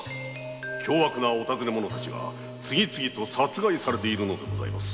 凶悪なお尋ね者たちが次々と殺害されているのです